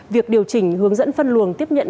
việc điều chỉnh hướng dẫn phân luồng tiếp nhận